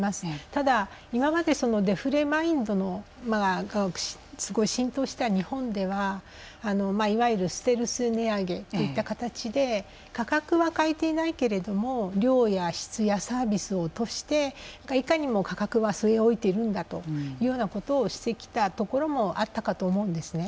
ただ、今までそのデフレマインドが浸透していた日本では、いわゆるステルス値上げといった形で価格は変えていないけれども量や質、サービスを落としていかにも価格は据え置いているんだというようなことをしてきたこともあったかと思うんですね。